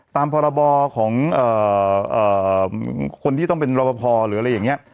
ตามภาระบอของคนที่ต้องเป็นรับประพอหรืออะไรอย่างเนี่ย